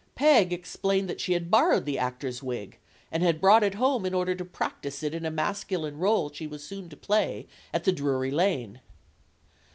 Peg explained that she had borrowed the actor's wig and had brought it home in order to practice in it a masculine role she was soon to play at the Drury Lane.